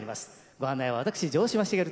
ご案内は私城島茂と。